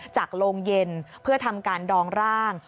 โรงเย็นเพื่อทำการดองร่าง